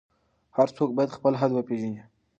هر څوک باید خپل حد وپیژني.